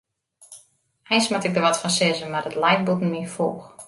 Eins moat ik der wat fan sizze, mar it leit bûten myn foech.